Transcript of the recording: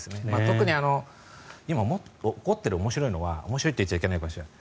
特に、今起こっている面白いのは面白いと言っちゃいけないかもしれない。